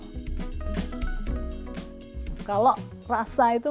sasarannya adalah generasi milenial